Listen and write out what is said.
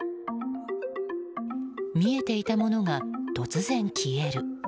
見えていたものが突然消える。